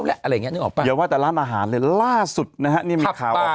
เดี๋ยวว่าแต่ร้านอาหารแล้วล่าสุดนะฮะ